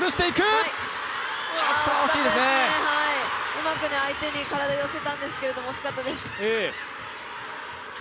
うまく相手に体を寄せたんですけど、惜しかったです。